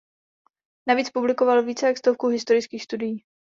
Navíc publikoval více jak stovku historických studií.